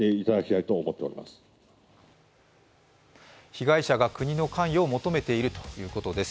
被害者が国の関与を求めているということです。